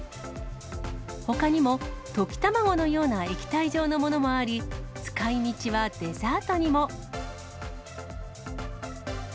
ほかにも溶き卵のような液体状のものもあり、使いみちはデザートにも。